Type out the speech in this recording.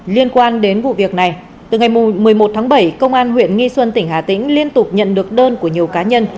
liên quan đến vụ việc này từ ngày một mươi một tháng bảy công an huyện nghi xuân tỉnh hà tĩnh liên tục nhận được đơn của nhiều cá nhân